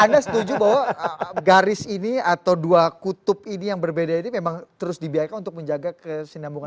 anda setuju bahwa garis ini atau dua kutub ini yang berbeda ini memang terus dibiarkan untuk menjaga kesinambungan